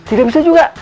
tidak bisa juga